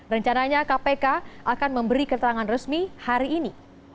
rencananya kpk akan memberi keterangan resmi hari ini